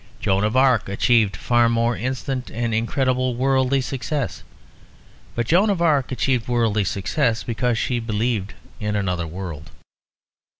Joan of Arc achieved far more instant and incredible worldly success; but Joan of Arc achieved worldly success because she believed in another world.